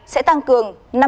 sẽ tăng cường